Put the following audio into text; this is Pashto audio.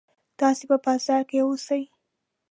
تاسې په بازار کې اوسئ.